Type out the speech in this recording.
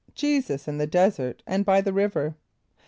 Jesus in the Desert and by the River.